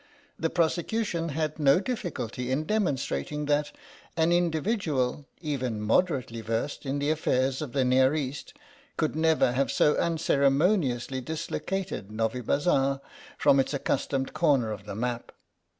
The prosecution had no difficulty in demon strating that an individual, even moderately versed in the affairs of the Near East, could never have so unceremoniously dislocated Novibazar from its accustomed corner of the map.